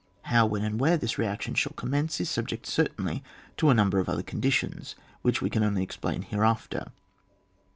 How, when and where this reaction shall conmience is subject certainly to a number of other conditions, which we can only explain hereafter.